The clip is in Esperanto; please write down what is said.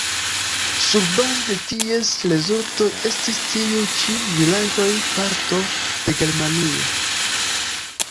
Surbaze de ties rezultoj restis tiuj ĉi vilaĝoj parto de Germanio.